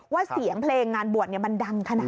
เสียงเพลงงานบวชมันดังขนาดไหน